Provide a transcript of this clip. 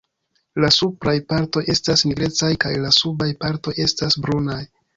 La supraj partoj estas nigrecaj kaj la subaj partoj estas brunaj.